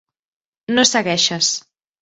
No segueixes.